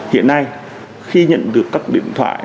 hiện nay khi nhận được các điện thoại